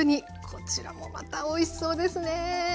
こちらもまたおいしそうですね。